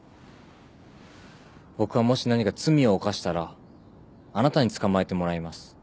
僕はもし何か罪を犯したらあなたに捕まえてもらいます。